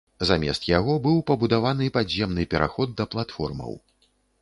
Замест яго быў пабудаваны падземны пераход да платформаў.